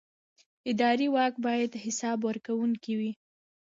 اداري واک باید حساب ورکوونکی وي.